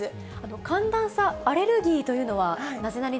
寒暖差アレルギーというのは、ナゼナニっ？